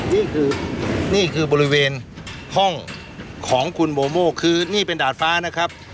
นี่คือนี่คือบริเวณห้องของคุณโบโม่คือนี่เป็นดาดฟ้านะครับ